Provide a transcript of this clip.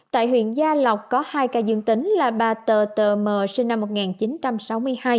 tại huyện gia lộc có hai ca dương tính là bà tờ tm m sinh năm một nghìn chín trăm sáu mươi hai